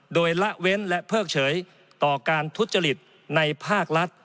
โดยละเว้นและเพิกเฉยต่อการทุจริตในภาครัฐ